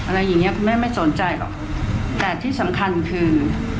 อะไรอย่างเงี้คุณแม่ไม่สนใจหรอกแต่ที่สำคัญคือ